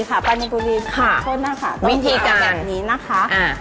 ชอบค่ะต้องใช้แบบนี้นะคะ